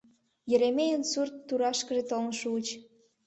Еремейын сурт турашкыже толын шуыч.